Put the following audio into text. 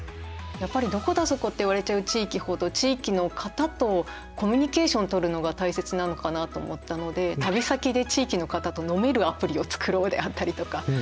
やっぱり「どこだそこ」って言われちゃう地域ほど地域の方とコミュニケーション取るのが大切なのかなと思ったので旅先で地域の方と飲めるアプリを作ろうであったりとか。